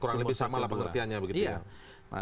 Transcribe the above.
kurang lebih sama lah pengertiannya begitu ya